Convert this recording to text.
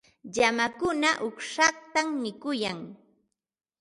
Llamakuna uqshatam mikuyan.